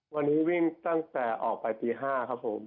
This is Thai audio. วันนี้วิ่งตั้งแต่ออกไปตี๕ครับผม